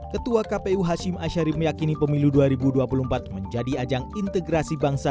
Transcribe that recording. ketua kpu hashim ashari meyakini pemilu dua ribu dua puluh empat menjadi ajang integrasi bangsa